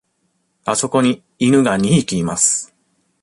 あそこに犬が二匹います。